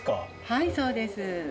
はいそうです。